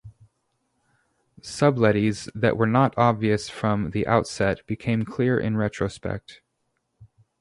Subtleties that were not obvious from the outset become clear in retrospect.